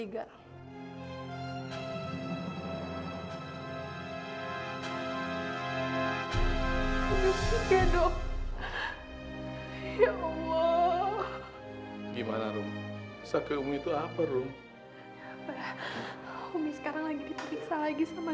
ya allah gimana ummi sakit ummi itu apa ummi sekarang lagi teriksa lagi sama